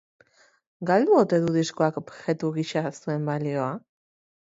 Galdu ote du diskoak objektu gisa zuen balioa?